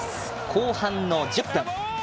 後半１０分。